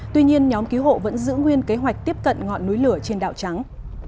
tuy nhiên nhóm cứu hộ vẫn giữ nguyên kế hoạch tiếp cận ngọn núi lửa trên đảo trắng